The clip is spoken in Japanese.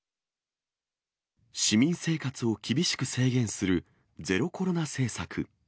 市民生活を厳しく制限する、ゼロコロナ政策。